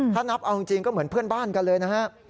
ถ้านับเอาจริงก็เหมือนเพื่อนบ้านกันเลยนะฮะ